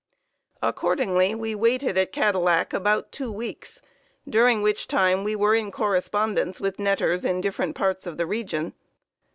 Accordingly, we waited at Cadillac about two weeks, during which time we were in correspondence with netters in different parts of the region.